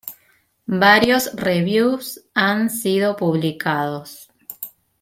Varios "reviews" han sido publicados.